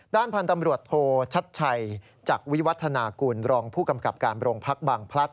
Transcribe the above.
ด้านพันธ์ตำรวจโทชัดชัยจักรวิวัฒนากุลรองผู้กำกับการโรงพักบางพลัด